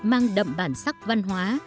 mang đậm bản sắc văn hóa